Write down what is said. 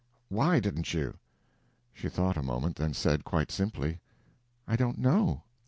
"Why didn't you?" She thought a moment, then said, quite simply: "I don't know."